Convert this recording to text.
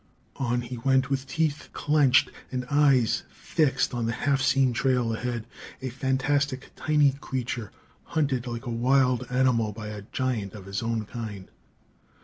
On he went, with teeth clenched and eyes fixed on the half seen trail ahead a fantastic, tiny creature hunted like a wild animal by a giant of his own kind!